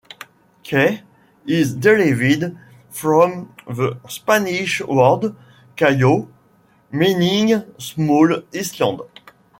"Key" is derived from the Spanish word "cayo", meaning small island.